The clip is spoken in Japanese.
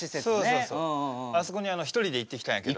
あそこに一人で行ってきたんやけど。